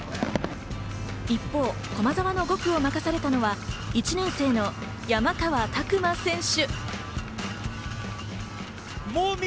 一方、駒澤の５区を任されたのは１年生の山川拓馬選手。